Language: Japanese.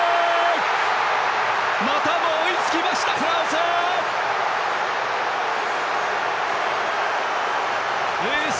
またも追いつきましたフランス！